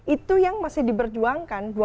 itu yang masih diberjuangkan